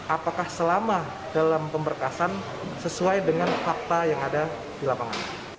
apakah selama dalam pemberkasan sesuai dengan fakta yang ada di lapangan